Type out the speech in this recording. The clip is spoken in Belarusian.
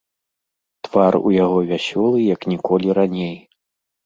Твар у яго вясёлы як ніколі раней.